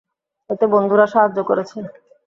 এতে বন্ধুরা সাহায্য করেছে।